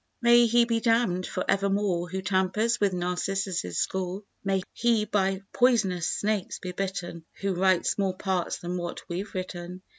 May he be damned for evermore Who tampers with Narcissus' score; May he by poisonous snakes be bitten Who writes more parts than what we've written.